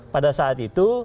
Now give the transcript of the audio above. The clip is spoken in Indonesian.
pada saat itu